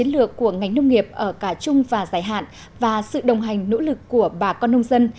lực của ngành nông nghiệp ở cả trung và giải hạn và sự đồng hành nỗ lực của bà con nông dân